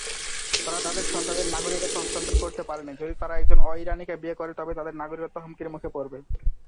তারা তাদের সন্তানদের নাগরিকত্ব হস্তান্তর করতে পারেনি; যদি তারা একজন অ-ইরানিকে বিয়ে করে তবে তাদের নাগরিকত্ব হুমকির মুখে পড়বে।